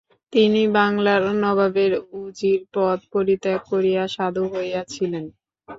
তিনি বাঙলার নবাবের উজীর পদ পরিত্যাগ করিয়া সাধু হইয়াছিলেন।